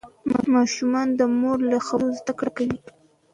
ماشوم د مور له خبرو زده کړه کوي.